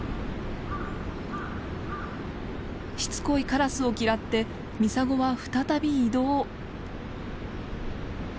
しつこいカラスを嫌ってミサゴは再び移動。